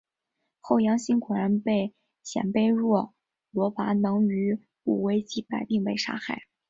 后杨欣果然被鲜卑若罗拔能于武威击败并被杀害。